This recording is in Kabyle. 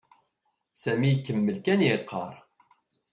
Sami ikemmel kan yeqqar.